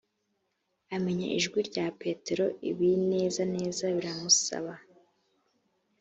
amenya ijwi rya petero, ibinezaneza biramusaba